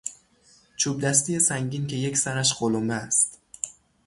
چوبدستی سنگین که یک سرش قلمبه است